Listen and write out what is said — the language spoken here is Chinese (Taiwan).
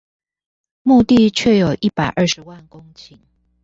牧地卻有一百二十萬公頃